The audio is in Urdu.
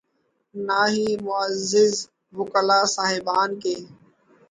نہ ہی معزز وکلا صاحبان کے۔